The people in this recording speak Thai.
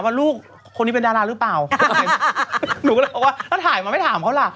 แม่อัลกี้ใส่พลุสนี่เหรอ